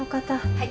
はい。